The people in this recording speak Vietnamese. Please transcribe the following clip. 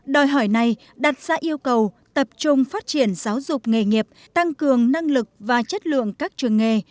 đòi hỏi này đặt ra yêu cầu tập trung phát triển giáo dục nghề nghiệp tăng cường năng lực và chất lượng các trường nghề